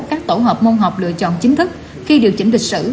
các tổ hợp môn học lựa chọn chính thức khi điều chỉnh lịch sử